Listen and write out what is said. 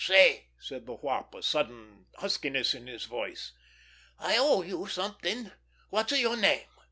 "Say," said the Wop, a sudden huskiness in his voice. "I owe you something. What's your name?"